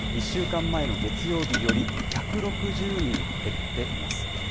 １週間前の月曜日より１６０人減っています。